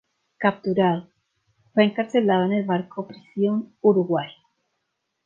Capturado, fue encarcelado en el barco-prisión "Uruguay".